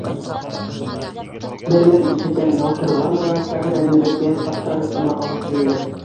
Бер мәл ишетәм: Науширбанова Сәғирәне беҙгә, ҡарттар йортона алып киләләр.